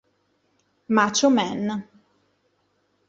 Macho Man